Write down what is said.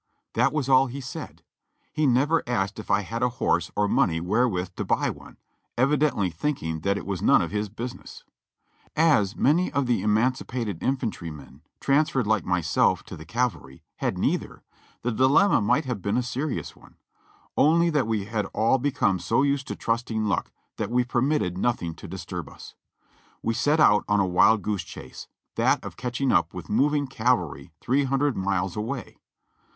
That was all he said. He never asked if I had a horse or money wherewith to buy one, evidently thinking that it was none of his business. As many of the emancipated infantrymen, transferred like myself to the cav alry, had neither, the dilemma might have been a serious one, only that we all had become so used to trusting luck that we per mitted nothing to disturb us. We set out on a wild goose chase, that of catching up with moving cavalry three hundred miles away.